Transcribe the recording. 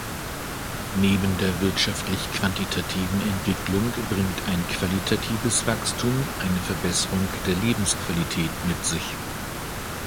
Neben der wirtschaftlich-quantitativen Entwicklung bringt ein qualitatives Wachstum eine Verbesserung der Lebensqualität mit sich.